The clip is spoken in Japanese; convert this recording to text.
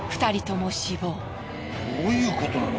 どういうことなの？